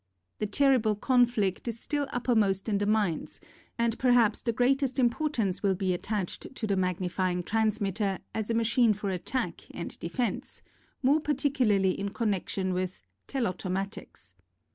The terrible conflict is still uppermost in the minds and perhaps the greatest import ance will be attached to the Magnifying Transmitter as a machine for attack and defense, more particularly in connection with Tclautomatics.